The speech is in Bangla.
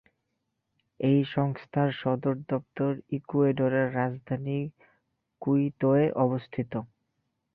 এই সংস্থার সদর দপ্তর ইকুয়েডরের রাজধানী কুইতোয় অবস্থিত।